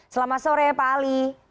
selamat sore pak ali